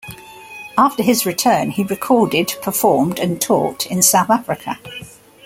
After his return, he recorded, performed, and taught in South Africa.